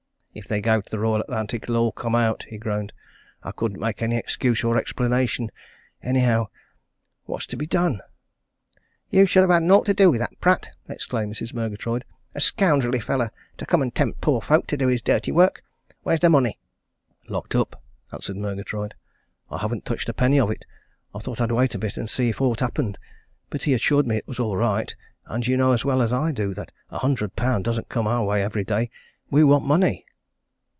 "If they go to the Royal Atlantic, it'll all come out," he groaned. "I couldn't make any excuse or explanation anyhow! What's to be done?" "You should ha' had naught to do wi' that Pratt!" exclaimed Mrs. Murgatroyd. "A scoundrelly fellow, to come and tempt poor folk to do his dirty work! Where's the money?" "Locked up!" answered Murgatroyd. "I haven't touched a penny of it. I thought I'd wait a bit and see if aught happened. But he assured me it was all right, and you know as well as I do that a hundred pound doesn't come our way every day. We want money!"